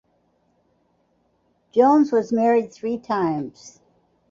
Jones was married three times.